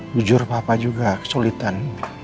jujur papa juga kesulitan